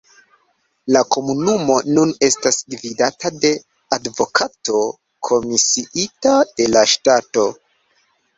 La komunumo nun estas gvidata de advokato komisiita de la ŝtato.